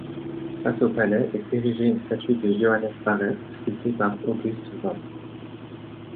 Face au palais est érigée une statue de Johannes Vares sculptée par August Vomm.